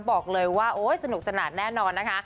บอกเลยว่าโอ๊ยสนุกสนานแน่นอนนะคะ